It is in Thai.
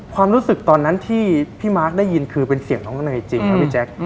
ความรู้สึกตอนนั้นที่พี่มาร์คได้ยินคือเป็นเสียงน้องเนยจริงครับพี่แจ๊ค